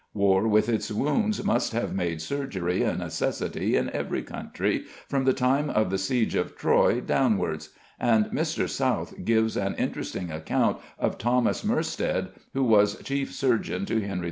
War with its wounds must have made surgery a necessity in every country, from the time of the siege of Troy downwards; and Mr. South gives an interesting account of Thomas Morstede, who was chief surgeon to Henry V.